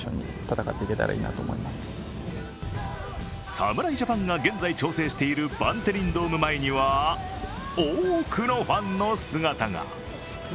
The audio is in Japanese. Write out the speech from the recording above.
侍ジャパンが現在調整しているバンテリンドーム前には多くのファンの姿が。